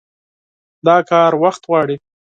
دا کار وخت غواړي.